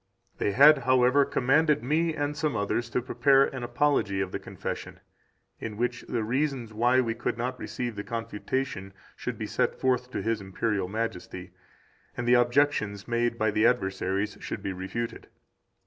5 They had, however, commanded me and some others to prepare an Apology of the Confession, in which the reasons why we could not receive the Confutation should be set forth to His Imperial Majesty, and the objections made by the adversaries should be refuted.